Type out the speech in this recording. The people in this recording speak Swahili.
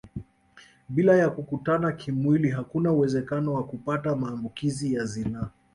Bila ya kukutana kimwili hakuna uwezekano wa kupata maambukizi ya zinaa